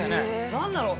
何だろう？